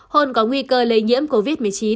hôn có nguy cơ lây nhiễm covid một mươi chín